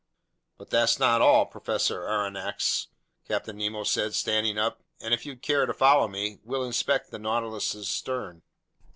"But that's not all, Professor Aronnax," Captain Nemo said, standing up. "And if you'd care to follow me, we'll inspect the Nautilus's stern."